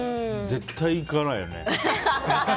絶対行かないよね。